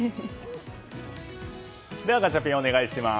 では、ガチャピンお願いします。